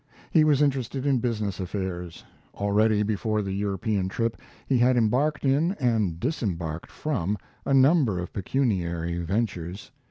He was interested in business affairs. Already, before the European trip, he had embarked in, and disembarked from, a number of pecuniary ventures.